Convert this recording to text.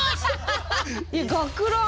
いや学ラン。